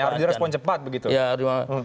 harus direspon cepat begitu